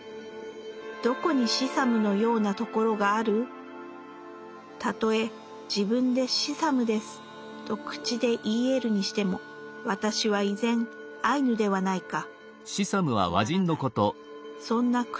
何処にシサムのやうなところがある⁉たとへ自分でシサムですと口で言ひ得るにしても私は依然アイヌではないか」。